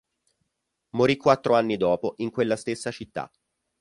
Morì quattro anni dopo in quella stessa città.